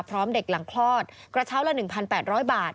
พร้อมเด็กหลังคลอดกระเช้าละ๑๘๐๐บาท